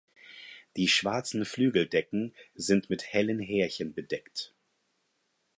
Die schwarzen Flügeldecken sind mit hellen Härchen bedeckt.